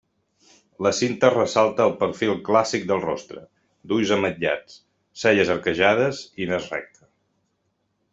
La cinta ressalta el perfil clàssic del rostre, d'ulls ametllats, celles arquejades i nas recte.